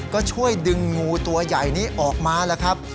ก็ช่วยดึงงูตัวใหญ่นี้ออกมาแล้วครับ